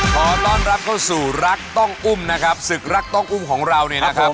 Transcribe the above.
ขอต้อนรับเข้าสู่รักต้องอุ้มนะครับศึกรักต้องอุ้มของเราเนี่ยนะครับ